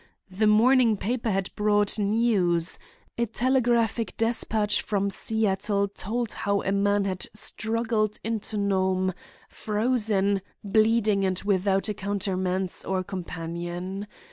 The morning paper had brought news. A telegraphic despatch from Seattle told how a man had struggled into Nome, frozen, bleeding and without accouterments or companion.